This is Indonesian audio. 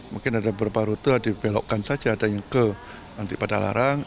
mungkin ada beberapa rute ada di belokkan saja ada yang ke nantipadalarang